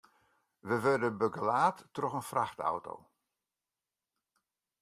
We wurde begelaat troch in frachtauto.